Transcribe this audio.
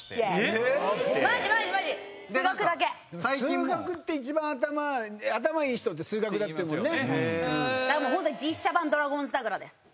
数学って一番頭いい人って数学だっていうもんね。